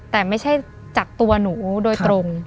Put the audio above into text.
แต่ไม่ใช่จากตัวหนูโดยตรง